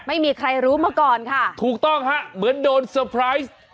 ไม่มีใครรู้มาก่อนค่ะถูกต้องฮะเหมือนโดนเตอร์ไพรส์